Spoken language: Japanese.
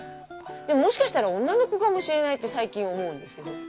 でももしかしたら女の子かもしれないって最近思うんですけど。